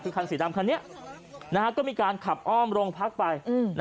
คือคันสีดำคันนี้ก็มีการขับอ้อมโรงพักไป